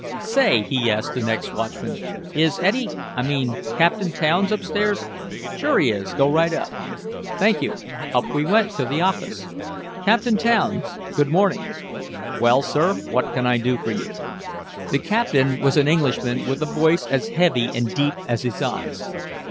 "Say," he asked the next watchman. "Is Eddy I mean Captain Townes upstairs?" "Sure he is. Go right up." "Thank you." Up we went to the office. "Captain Townes? Good morning." "Well, sir, what can I do for you?" The captain was an Englishman with a voice as heavy and deep as his eyes.